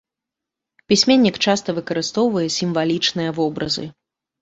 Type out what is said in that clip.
Пісьменнік часта выкарыстоўвае сімвалічныя вобразы.